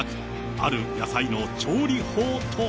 ある野菜の調理法とは。